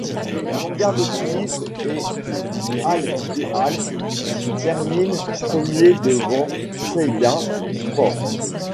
L’Avant-garde de Tunis et Al Hilal terminent premiers devant Saydia Sports.